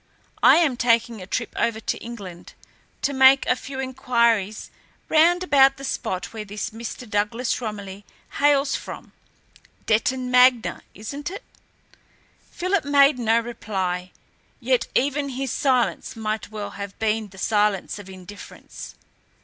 I am taking a trip over to England to make a few enquiries round about the spot where this Mr. Douglas Romilly hails from Detton Magna, isn't it?" Philip made no reply, yet even his silence might well have been the silence of indifference.